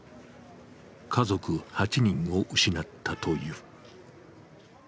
家族８人を失ったという。